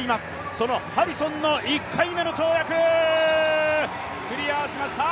そのハリソンの１回目の跳躍、クリアしました。